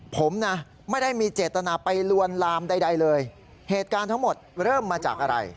ผมนะไม่ได้มีเจตนาไปลวนลามใดเลยเหตุการณ์ทั้งหมดเริ่มมาจากอะไร